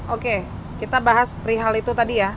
oke kita bahas perihal itu tadi ya